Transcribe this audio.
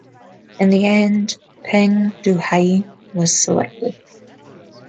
In the end, Peng Dehuai was selected.